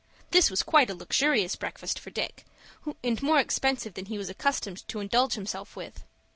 This was quite a luxurious breakfast for Dick, and more expensive than he was accustomed to indulge himself with.